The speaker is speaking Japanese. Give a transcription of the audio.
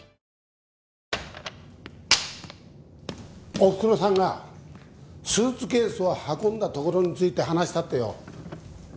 おふくろさんがスーツケースを運んだ所について話したってよ。